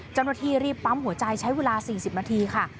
เจ้าหน้าที่รีบปั๊มหัวใจใช้เวลา๔๐นาทีค่ะ